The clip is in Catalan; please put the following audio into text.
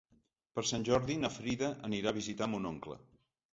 Per Sant Jordi na Frida anirà a visitar mon oncle.